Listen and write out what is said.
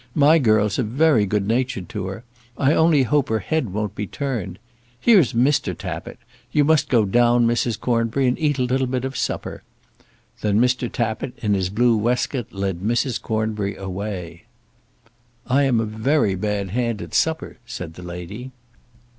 My girls are very good natured to her. I only hope her head won't be turned. Here's Mr. Tappitt. You must go down Mrs. Cornbury, and eat a little bit of supper." Then Mr. Tappitt in his blue waistcoat led Mrs. Cornbury away. "I am a very bad hand at supper," said the lady.